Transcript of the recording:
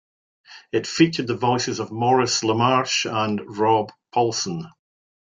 It featured the voices of Maurice LaMarche and Rob Paulsen.